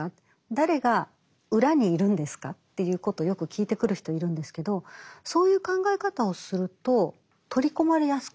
誰が裏にいるんですか？ということをよく聞いてくる人いるんですけどそういう考え方をすると取り込まれやすくなるんです。